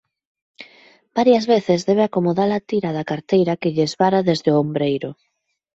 Varias veces debe acomoda-la tira da carteira que lle esvara desde o ombreiro.